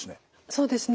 そうですね。